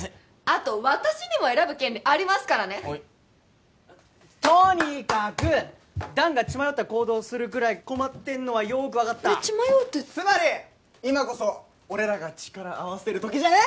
あと私にも選ぶ権利ありますからねと・に・か・く弾が血迷った行動をするぐらい困ってんのはよく分かったえっ血迷うってつまり今こそ俺らが力合わせる時じゃね？